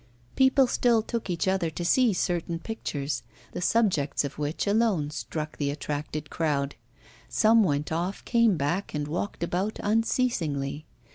People still took each other to see certain pictures, the subjects of which alone struck and attracted the crowd. Some went off, came back, and walked about unceasingly.